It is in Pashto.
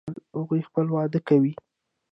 هغوی خپل واده کوي